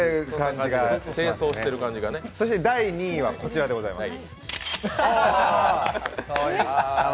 そして、第２位はこちらでございます。